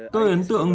tôi ấn tượng